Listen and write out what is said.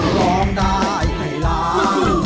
ร้องได้ให้ล้าน